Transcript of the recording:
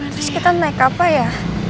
terus kita naik apa ya